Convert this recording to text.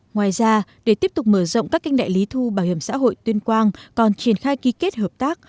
ngoài ra để tiếp tục mở rộng các kênh đại lý thu bảo hiểm xã hội tuyên quang còn triển khai ký kết hợp tác